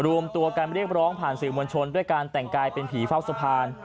รวมตัวกันเรียกร้องผ่านสื่อมวลชนด้วยการแต่งกายเป็นผีเฝ้าสะพาน